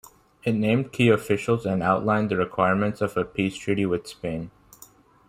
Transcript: It named key officials and outlined the requirements of a peace treaty with Spain.